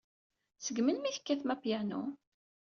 Seg melmi ay tekkatem apyanu?